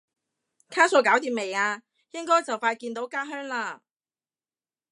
卡數搞掂未啊？應該就快見到家鄉啦？